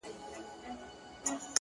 د درد د كړاوونو زنده گۍ كي يو غمى دی”